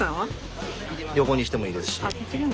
横にしてもいいですし。